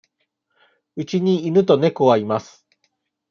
うちに犬と猫がいます。